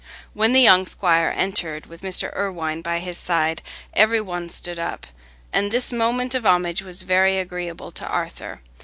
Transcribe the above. When the young squire entered, with Mr. Irwine by his side, every one stood up, and this moment of homage was very agreeable to Arthur.